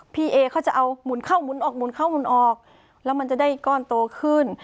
พี่เอเขาจะเอาหมุนเข้าหมุนออกหมุนเข้าหมุนออกแล้วมันจะได้ก้อนโตขึ้น